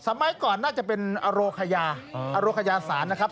สมัยก่อนน่าจะเป็นอโรคยาอโรคยาศาลนะครับ